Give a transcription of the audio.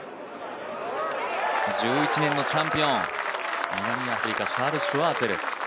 １１年のチャンピオン、南アフリカ、シャール・シュワーツェル。